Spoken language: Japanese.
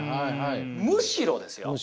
むしろですよ！